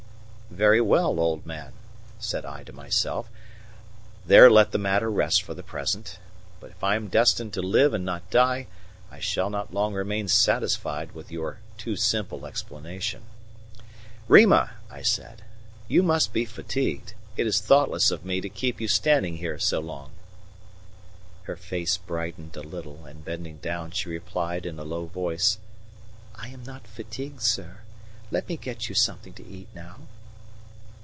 "Very well, old man," said I to myself; "there let the matter rest for the present. But if I am destined to live and not die, I shall not long remain satisfied with your too simple explanation." "Rima," I said, "you must be fatigued; it is thoughtless of me to keep you standing here so long." Her face brightened a little, and bending down, she replied in a low voice: "I am not fatigued, sir. Let me get you something to eat now."